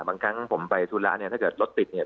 บางครั้งผมไปธุระเนี่ยถ้าเกิดรถติดเนี่ย